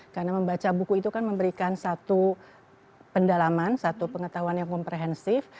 karena membaca buku itu kan memberikan satu pendalaman satu pengetahuan yang komprehensif